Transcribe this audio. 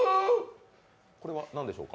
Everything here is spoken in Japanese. これは何でしょうか？